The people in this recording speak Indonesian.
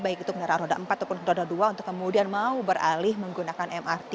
baik itu kendaraan roda empat ataupun roda dua untuk kemudian mau beralih menggunakan mrt